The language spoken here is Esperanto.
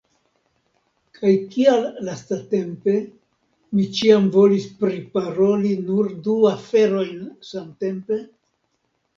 Kaj kial lastatempe, mi ĉiam volis priparoli nur du aferojn samtempe?